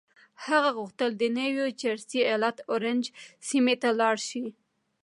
هغه غوښتل د نيو جرسي ايالت اورنج سيمې ته لاړ شي.